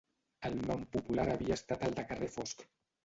El nom popular havia estat el de carrer Fosc.